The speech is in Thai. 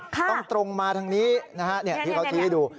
ต้องตรงมาทางนี้ที่เขาทีดู